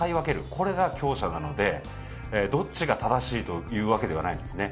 これが強者なのでどっちが正しいというわけではないんですね。